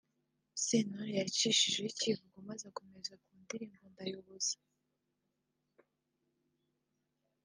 Sentore yacishijeho icyivugo maze akomereza ku ndirimbo ‘Ndayoboza’